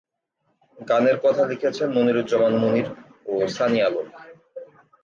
গানের কথা লিখেছেন মনিরুজ্জামান মনির ও সানি আলম।